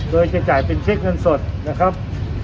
โดยจะจ่ายเป็นเช็คเงินสดนะครับ